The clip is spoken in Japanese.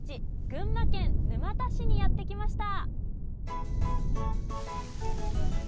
群馬県沼田市にやってきました。